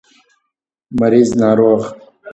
مريض √ ناروغ